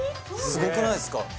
すごくないですか？